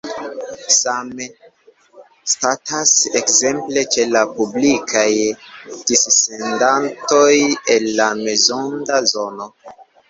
Same statas ekzemple ĉe la publikaj dissendadoj en la mezonda zono.